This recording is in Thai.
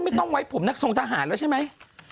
ไม่ต้องไว้ผมนักทรงทหารแล้วใช่ไหม